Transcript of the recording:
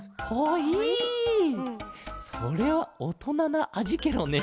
それはおとななあじケロね。